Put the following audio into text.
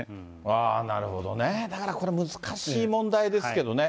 ああ、なるほどね、だからこれ難しい問題ですけどね。